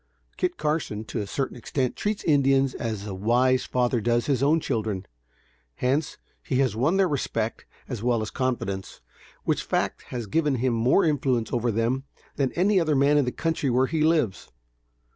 Kit Carson, to a certain extent, treats Indians as a wise father does his own children; hence, he has won their respect as well as confidence, which fact has given him more influence over them, than any other man in the country where he lives.